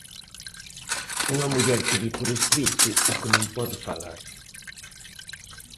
Unha muller que di por escrito o que non pode falar.